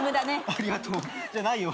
ありがとうじゃないよ。